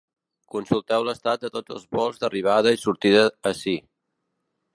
Consulteu l’estat de tots els vols d’arribada i sortida ací.